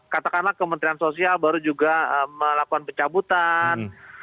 karena kementerian sosial baru juga melakukan pencabutan